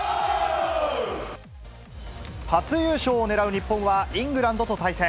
初優勝を狙う日本はイングランドと対戦。